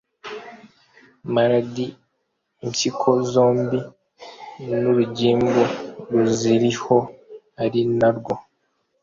mara d impyiko zombi n urugimbu ruziriho ari na rwo